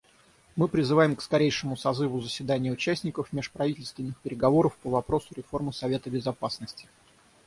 Мы призываем к скорейшему созыву заседания участников межправительственных переговоров по вопросу реформы Совета Безопасности.